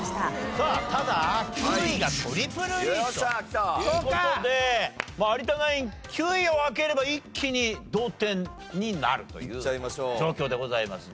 さあただ９位がトリプルリーチという事で有田ナイン９位を開ければ一気に同点になるという状況でございます。